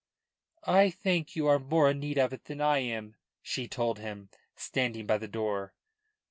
"I think you are more in need of it than I am," she told him, standing by the door.